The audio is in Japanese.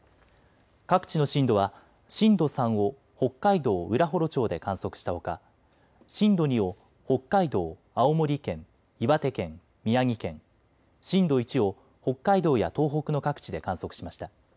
各地の震度は震度３を北海道浦幌町で観測したほか震度２を北海道、青森県、岩手県、宮城県、震度１を北海道や東北の各地で観測しました。